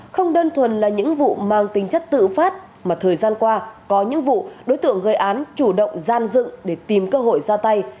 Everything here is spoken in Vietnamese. không đơn thuần là những vụ mang tính chất tự phát mà thời gian qua có những vụ đối tượng gây án chủ động gian dựng để tìm cơ hội ra tay